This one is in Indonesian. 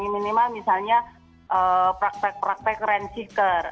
minimal misalnya praktek praktek rent seeker